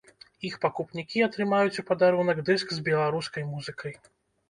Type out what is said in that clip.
Іх пакупнікі атрымаюць у падарунак дыск з беларускай музыкай.